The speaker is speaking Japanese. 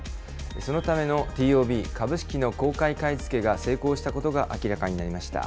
そのためのＴＯＢ・株式の公開買い付けが成功したことが明らかになりました。